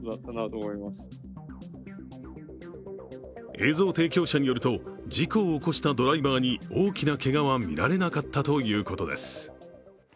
映像提供者によると事故を起こしたドライバーに大きなけがはみられなかったということです。